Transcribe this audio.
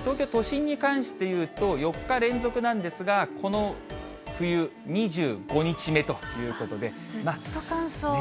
東京都心に関していうと、４日連続なんですが、この冬２５日目とずっと乾燥。